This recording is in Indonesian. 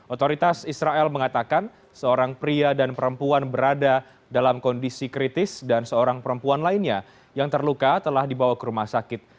otoritas israel mengatakan seorang pria dan perempuan berada dalam kondisi kritis dan seorang perempuan lainnya yang terluka telah dibawa ke rumah sakit